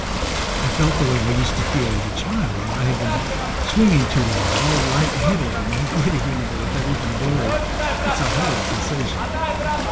I felt the way I used to feel as a child when I had been swinging too long all light headed and giddy, you know, with everything blurry. It's a horrid sensation."